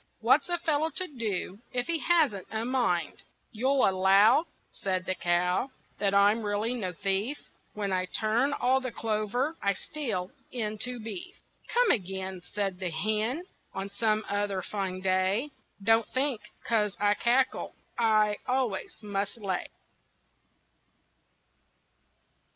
What's a fellow to do If he hasn't a mind?" "You'll allow," Said the cow, "That I'm really no thief, When I turn all the clover I steal, into beef." "Come again," Said the hen, "On some other fine day. Don't think 'cause I cackle I always must lay."